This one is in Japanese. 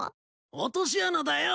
落とし穴だよ。